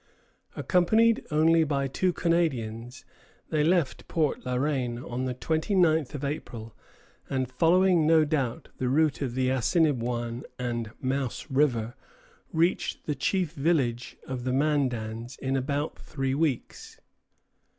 Accompanied only by two Canadians, they left Port La Reine on the 29th of April, and following, no doubt, the route of the Assinniboin and Mouse River, reached the chief village of the Mandans in about three weeks.